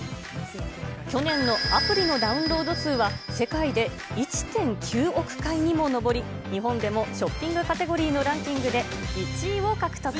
去年のアプリのダウンロード数は、世界で１．９億回にも上り、日本でもショッピングカテゴリーのランキングで１位を獲得。